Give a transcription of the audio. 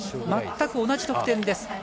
全く同じ得点です。